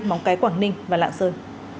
móng cái quảng ninh và lạng sơn